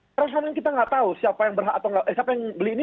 karena sekarang kita nggak tahu siapa yang beli ini